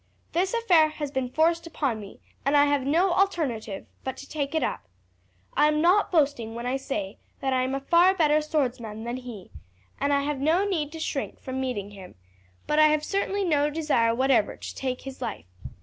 This affair has been forced upon me, and I have no alternative but to take it up. I am not boasting when I say that I am a far better swordsman than he, and I have no need to shrink from meeting him; but I have certainly no desire whatever to take his life.